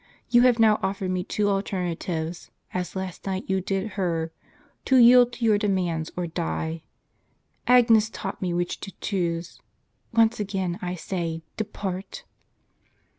You have now offered me two alternatives, as last night you did her, to yield to your demands, or die. Agnes taught me which to choose. Once again, I say, depart."